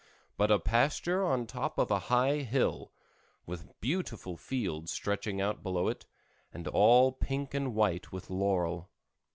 but a pasture on top of a high hill, with beautiful fields stretching out below it, and all pink and white with laurel.